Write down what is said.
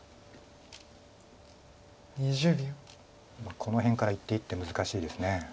この辺から一手一手難しいです。